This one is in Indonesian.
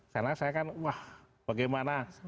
karena saya kan wah bagaimana